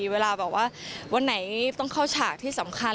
เวลาแบบว่าวันไหนต้องเข้าฉากที่สำคัญ